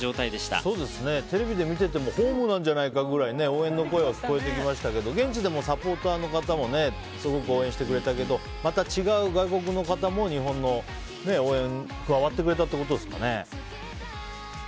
テレビで見ていてもホームなんじゃないかくらい応援の声は聞こえてきましたけど現地でもサポーターの方もすごく応援してくれたけどまた違う外国の方も日本の応援に加わってくれたということですかね。